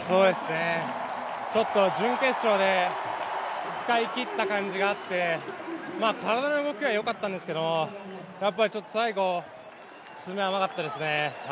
ちょっと準決勝で使い切った感じがあって体の動きはよかったんですけど、最後詰め甘かったですね。